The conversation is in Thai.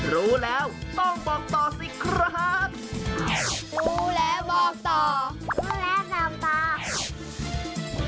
รู้แล้วต้องบอกต่อสิครับรู้แล้วบอกต่อและน้ำตา